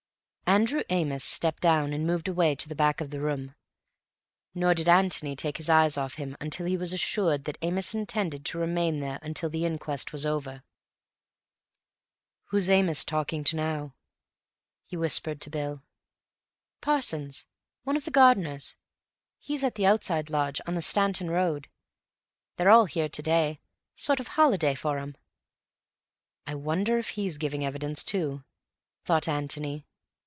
Andrew Amos stepped down and moved away to the back of the room, nor did Antony take his eyes off him until he was assured that Amos intended to remain there until the inquest was over. "Who's Amos talking to now?" he whispered to Bill. "Parsons. One of the gardeners. He's at the outside lodge on the Stanton road. They're all here to day. Sort of holiday for 'em." "I wonder if he's giving evidence too," thought Antony.